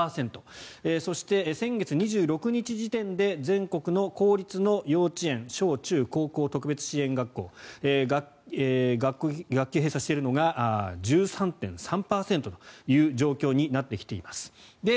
そして、先月２６日時点で全国の公立の幼稚園小中高校、特別支援学校学級閉鎖しているのが１３．３％という状況になってきています。